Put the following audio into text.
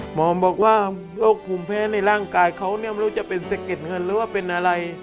หมอบอกว่าโรคภูมิแพ้ในร่างกายเขาเนี่ยไม่รู้จะเป็นสะเก็ดเงินหรือว่าเป็นอะไร